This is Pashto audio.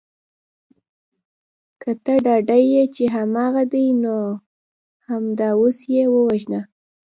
که ته ډاډه یې چې هماغه دی نو همدا اوس یې ووژنه